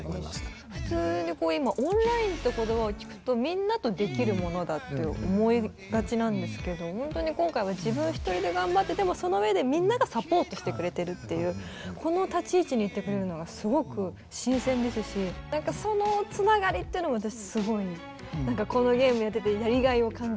普通に今オンラインって言葉を聞くとみんなとできるものだって思いがちなんですけどほんとに今回は自分一人で頑張ってでもそのうえでみんながサポートしてくれてるっていうこの立ち位置にいてくれるのがすごく新鮮ですし何かその繋がりっていうのも私すごい何かこのゲームやっててやりがいを感じました。